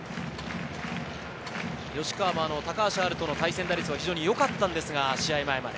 吉川も高橋遥人の対戦打率もよかったんですが、試合前まで。